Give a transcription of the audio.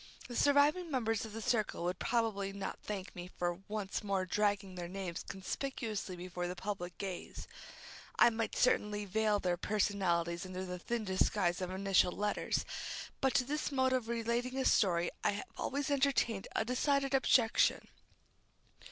The surviving members of that circle would probably not thank me for once more dragging their names conspicuously before the public gaze. I might certainly veil their personalities under the thin disguise of initial letters, but to this mode of relating a story I have always entertained a decided objection.